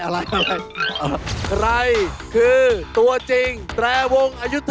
อะไรคือตัวจริงแดร่วงอายุทยา